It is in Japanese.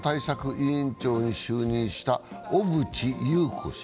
委員長に就任した小渕優子氏。